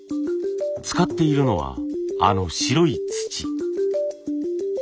使っているのはあの白い土。